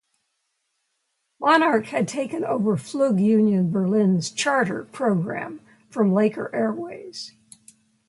Monarch had taken over Flug-Union Berlin's charter programme from Laker Airways.